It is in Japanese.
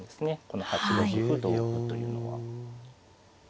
この８六歩同歩というのは。